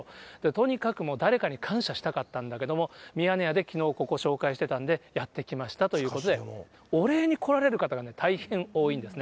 とにかくもう誰かに感謝したかったんだけども、ミヤネ屋できのう、ここを紹介してたんで、やって来ましたということで、お礼に来られる方が大変多いんですね。